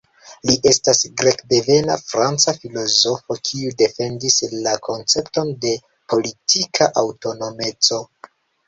Li estas grekdevena franca filozofo kiu defendis la koncepton de "politika aŭtonomeco".